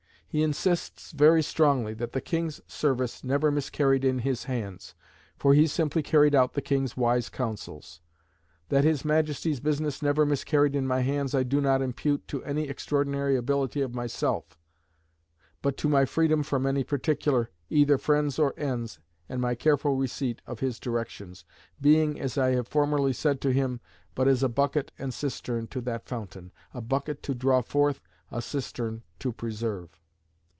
He insists very strongly that the King's service never miscarried in his hands, for he simply carried out the King's wise counsels. "That his Majesty's business never miscarried in my hands I do not impute to any extraordinary ability in myself, but to my freedom from any particular, either friends or ends, and my careful receipt of his directions, being, as I have formerly said to him, but as a bucket and cistern to that fountain a bucket to draw forth, a cistern to preserve."